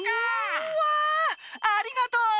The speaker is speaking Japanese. うわありがとう！